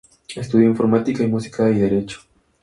Estudió informática, música y derecho.